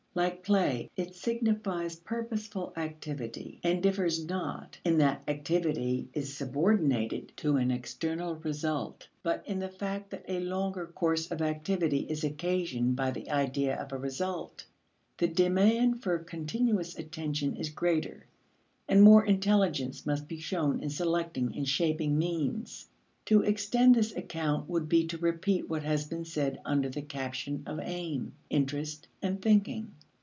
Like play, it signifies purposeful activity and differs not in that activity is subordinated to an external result, but in the fact that a longer course of activity is occasioned by the idea of a result. The demand for continuous attention is greater, and more intelligence must be shown in selecting and shaping means. To extend this account would be to repeat what has been said under the caption of aim, interest, and thinking.